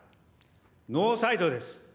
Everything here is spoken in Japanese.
ノーサイドです。